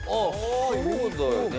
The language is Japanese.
そうだよね。